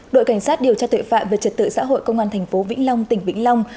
đội cảnh sát điều tra tuệ phạm về trật tự xã hội công an thành phố vĩnh long tỉnh vĩnh long